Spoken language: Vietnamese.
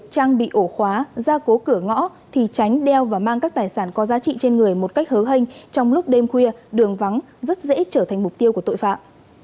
trang bị ổ khóa ra cố cửa ngõ thì tránh đeo và mang các tài sản có giá trị trên người một cách hớnh trong lúc đêm khuya đường vắng rất dễ trở thành mục tiêu của tội phạm